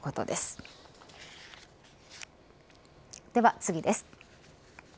では次です。